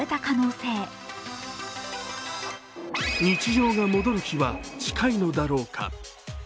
日常が戻る日は近いのだろうか。